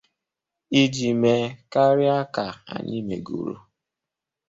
iji mee karịa ka anyị megoro.